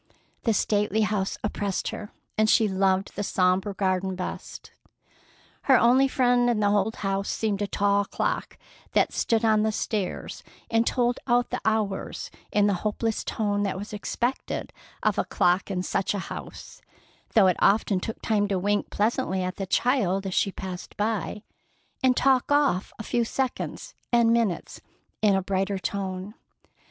The stately house oppressed her, and she loved the sombre garden best. Her only friend in the old house seemed a tall clock that stood on the stairs and told out the hours in the hopeless tone that was expected of a clock in such a house, though it often took time to wink pleasantly at the child as she passed by, and talk off a few seconds and minutes in a brighter tone.